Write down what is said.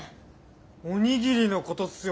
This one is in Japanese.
おにぎりのことっすよね？